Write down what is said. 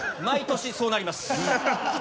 毎年そうなります。